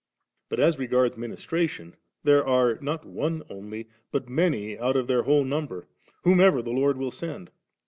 Bat as regards ministrations there are, not one only, bat many out of their whole number, whomever the Lord will send.